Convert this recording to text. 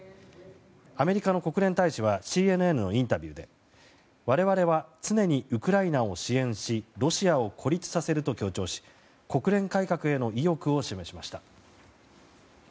アメリカの国連大使はＣＮＮのインタビューで我々は常にウクライナを支援しロシアを孤立させると強調し国連改革への意欲を示しました。